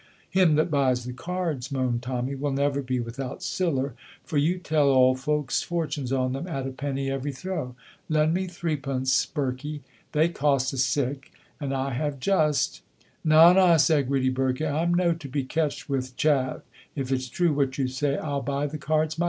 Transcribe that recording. "Him that buys the cards," moaned Tommy, "will never be without siller, for you tell auld folks fortunes on them at a penny every throw. Lend me threepence, Birkie. They cost a sic, and I have just " "Na, na," said greedy Birkie, "I'm no to be catched wi' chaff. If it's true, what you say, I'll buy the cards mysel'."